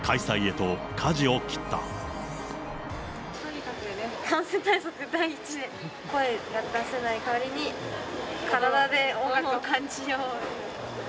とにかくね、感染対策第一で、声が出せない代わりに、体で音楽を感じよう。